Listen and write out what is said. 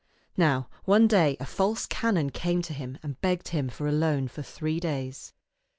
Now one day a false canon came to him and begged him for a loan for three days.